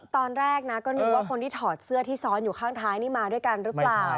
ตอนแรกนะก็นึกว่าคนที่ถอดเสื้อที่ซ้อนอยู่ข้างท้ายนี่มาด้วยกันหรือเปล่า